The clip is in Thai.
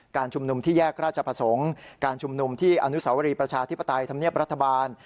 ชุมนุมที่แยกราชประสงค์การชุมนุมที่อนุสาวรีประชาธิปไตยธรรมเนียบรัฐบาล